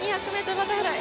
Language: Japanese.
バタフライ